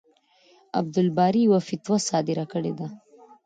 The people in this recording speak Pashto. عبدالباري يوه فتوا صادره کړې ده.